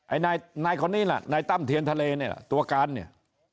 ไอ้นายคนนี้ล่ะนายตั้มเทียนทะเลเนี่ยตัวการเนี่ย